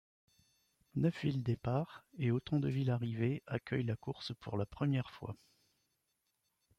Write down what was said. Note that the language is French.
Neuf villes-départs et autant de villes-arrivées accueillent la course pour la première fois.